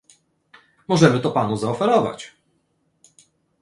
Możemy to Panu zaoferować